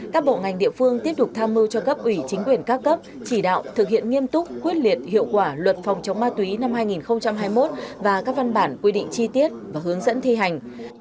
các bộ ngành địa phương tiếp tục tham mưu cho cấp ủy chính quyền các cấp chỉ đạo thực hiện nghiêm túc quyết liệt hiệu quả luật phòng chống ma túy năm hai nghìn hai mươi một và các văn bản quy định chi tiết và hướng dẫn thi hành